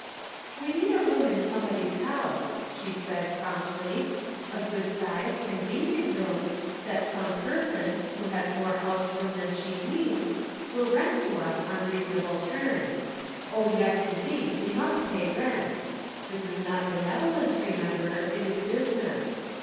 " We need a room in somebody's house," she said, promptly ;" a good sized, convenient room, that some person, who has more house room than she needs, will rent to us on reason able terms. Oh, yes, indeed, we must pay rent. This is not benevolence, remember, it is business.